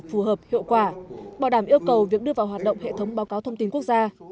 phù hợp hiệu quả bảo đảm yêu cầu việc đưa vào hoạt động hệ thống báo cáo thông tin quốc gia